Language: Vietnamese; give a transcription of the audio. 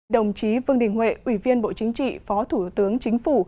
đồng chí vương đình huệ ủy viên bộ chính trị phó thủ tướng chính phủ